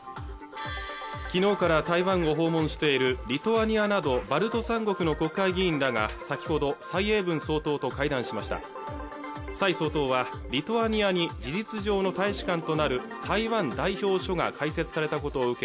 昨日から台湾を訪問しているリトアニアなどバルト三国の国会議員らが先ほど蔡英文総統と会談しました蔡総統はリトアニアに事実上の大使館となる台湾代表処が開設されたことを受け